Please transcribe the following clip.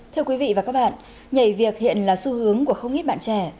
thưa quý vị và các bạn nhảy việc hiện là xu hướng của không ít bạn trẻ